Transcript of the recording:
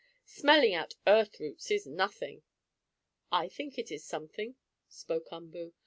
Smelling out earth roots is nothing!" "I think it is something," spoke Umboo.